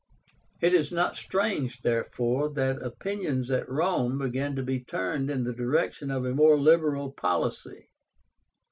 It is not strange, therefore, that opinions at Rome began to be turned in the direction of a more liberal policy.